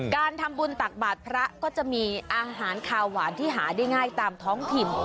การทำบุญตักบาทพระก็จะมีอาหารคาวหวานที่หาได้ง่ายตามท้องถิ่น